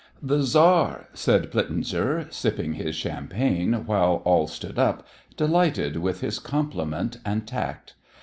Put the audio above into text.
"The Czar!" said Plitzinger, sipping his champagne, while all stood up, delighted with his compliment and tact.